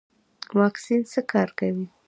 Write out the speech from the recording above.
واکسین څنګه کار کوي؟